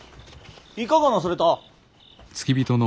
いかがなされた。